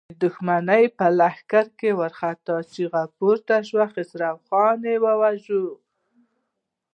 د دښمن په لښکر کې وارخطا چيغې پورته شوې: خسرو خان يې وواژه!